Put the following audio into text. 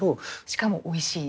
しかもおいしい。